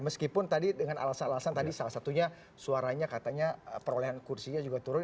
meskipun tadi dengan alasan alasan tadi salah satunya suaranya katanya perolehan kursinya juga turun